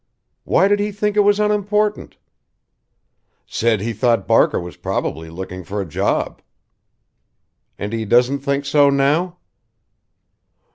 "Why did he think it was unimportant?" "Said he thought Barker was probably looking for a job." "And he doesn't think so now?"